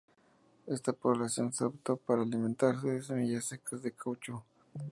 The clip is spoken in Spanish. Esta población se adaptó para alimentarse de semillas secas de caucho.